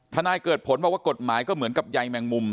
นายเกิดผลบอกว่ากฎหมายก็เหมือนกับใยแมงมุม